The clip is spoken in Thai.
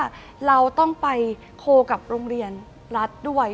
เราต้องไปโคลกับโรงเรียนรัฐด้วย